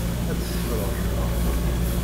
Ad t-teffreḍ, naɣ?